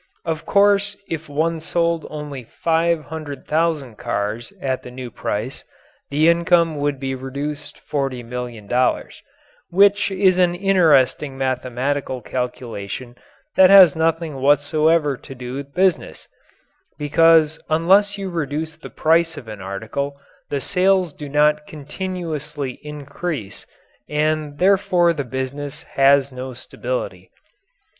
Of course if one sold only five hundred thousand cars at the new price, the income would be reduced forty million dollars which is an interesting mathematical calculation that has nothing whatsoever to do with business, because unless you reduce the price of an article the sales do not continuously increase and therefore the business has no stability.